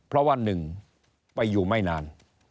เพราะว่า๑ไปอยู่ไม่นาน